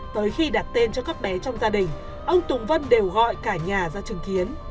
tới khi đặt tên cho các bé trong gia đình ông tùng vân đều gọi cả nhà ra chứng kiến